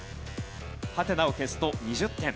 ハテナを消すと２０点。